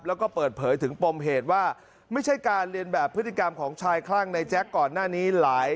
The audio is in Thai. แล้วก็เปิดเผยถึงปมเหตุว่าไม่ใช่การเรียนแบบพฤติกรรมของชายคลั่งในแจ๊คก่อนหน้านี้หลาย